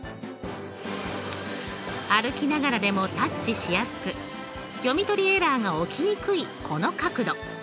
歩きながらでもタッチしやすく読み取りエラーが起きにくいこの角度。